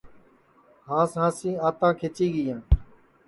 ہانٚس ہانٚسی آنٚتاں کھِچی گئِییاں